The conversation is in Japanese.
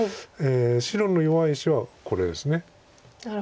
白の弱い石はこれです。